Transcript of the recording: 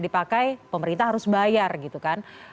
dipakai pemerintah harus bayar gitu kan